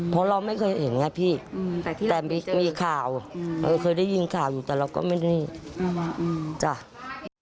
เพราะเราไม่เคยเห็นไงพี่แต่มีข่าวเคยได้ยินข่าวอยู่แต่เราก็ไม่ได้จ้ะ